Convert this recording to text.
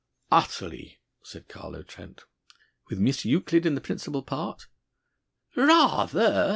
"Utterly," said Carlo Trent. "With Miss Euclid in the principal part?" "Rather!"